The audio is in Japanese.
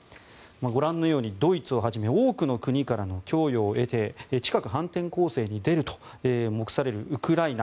ご覧のようにドイツをはじめ多くの国からの供与を得て近く反転攻勢に出ると目されるウクライナ。